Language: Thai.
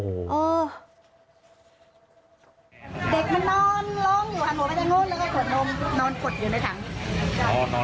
เด็กมานอนร้องอยู่หังหัวไปทางนู้น